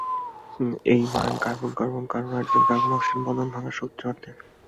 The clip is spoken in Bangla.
এই মান কার্বন-কার্বন, কার্বন-হাইড্রোজেন এবং কার্বন-অক্সিজেন বন্ধন ভাঙার শক্তির অর্ধেক।